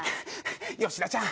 吉田ちゃん